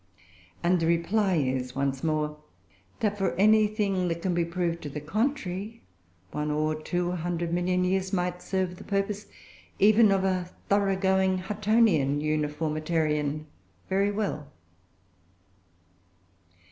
And the reply is, once more, that, for anything that can be proved to the contrary, one or two hundred million years might serve the purpose, even of a thoroughgoing Huttonian uniformitarian, very well.